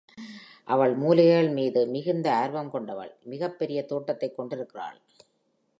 அவள் மூலிகைகள் மீது மிகுந்த ஆர்வம் கொண்டவள், மிகப் பெரிய தோட்டத்தைக் கொண்டிருக்கிறாள்.